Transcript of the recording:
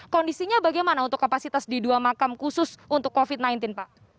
kondisinya bagaimana untuk kapasitas di dua makam khusus untuk covid sembilan belas pak